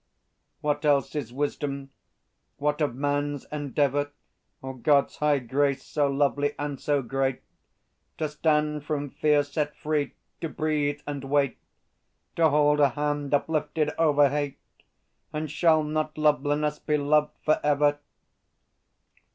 What else is Wisdom? What of man's endeavour Or God's high grace so lovely and so great? To stand from fear set free, to breathe and wait; To hold a hand uplifted over Hate; And shall not Loveliness be loved for ever?